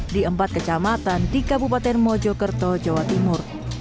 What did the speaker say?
di empat kecamatan di kabupaten mojokerto jawa timur